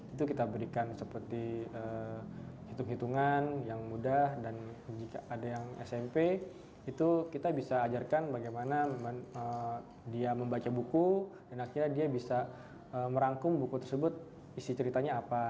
itu kita berikan seperti hitung hitungan yang mudah dan jika ada yang smp itu kita bisa ajarkan bagaimana dia membaca buku dan akhirnya dia bisa merangkum buku tersebut isi ceritanya apa